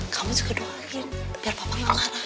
kamu juga doain biar papa gak kalah